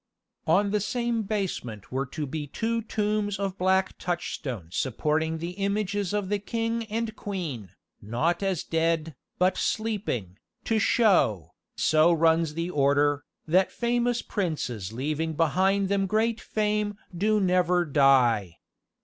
On the same basement were to be two tombs of black touchstone supporting the images of the king and queen, not as dead, but sleeping, "to show," so runs the order, "that famous princes leaving behind them great fame do never die."